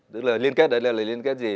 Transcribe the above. tức là liên kết đấy là liên kết gì